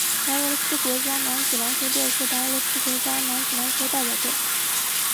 白俄罗斯国家男子篮球队是白俄罗斯的国家男子篮球代表队。